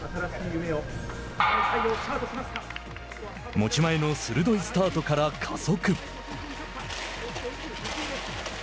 持ち前の鋭いスタートから加速。